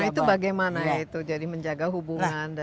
nah itu bagaimana ya itu jadi menjaga hubungan dan